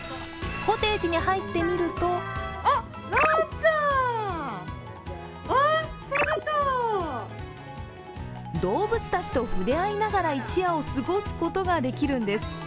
コテージに入ってみると動物たちとふれあいながら一夜を過ごすことができるんです。